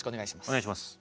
お願いします。